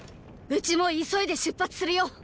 うちも急いで出発するよっ！